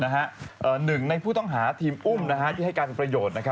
หนึ่งในผู้ต้องหาทีมอุ้มที่ให้การเป็นประโยชน์